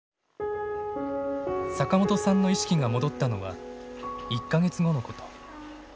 坂本さんの意識が戻ったのは１か月後のこと。